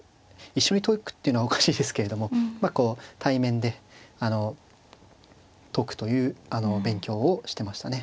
一緒に解くっていうのはおかしいですけれどもまあこう対面であの解くという勉強をしてましたね。